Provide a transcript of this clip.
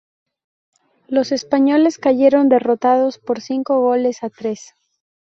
Los españoles cayeron derrotados por cinco goles a tres.